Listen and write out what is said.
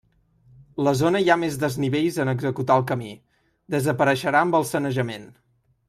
La zona hi ha més desnivells en executar el camí, desapareixerà amb el sanejament.